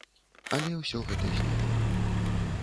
Але ўсё гэта знікла.